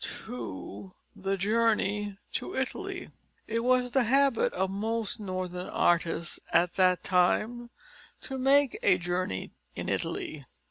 II THE JOURNEY TO ITALY It was the habit of most Northern artists at that time to make a journey in Italy.